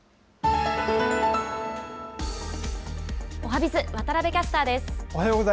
おはＢｉｚ、渡部キャスターです。